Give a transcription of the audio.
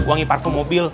wangi parfum mobil